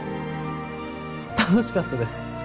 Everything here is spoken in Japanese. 楽しかったです。